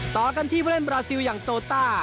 ต่อกันที่ผู้เล่นบราซิลอย่างโตต้า